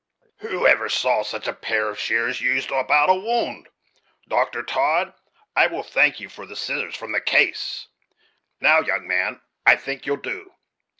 Who ever saw such a pair of shears used about a wound? Dr. Todd, I will thank you for the scissors from the case, Now, young man, I think you'll do.